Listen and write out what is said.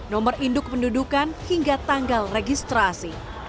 nomor induk kependudukan hingga tanggal registrasi